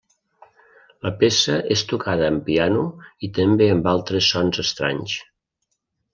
La peça és tocada amb piano i també amb altres sons estranys.